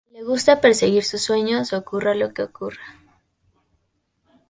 Le gusta perseguir sus sueños ocurra lo que ocurra.